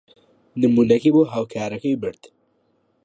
نموونەکەی بۆ هاوکارەکەی برد.